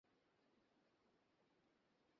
মার্কিন বায়ুসেনা, অকিনাওয়া।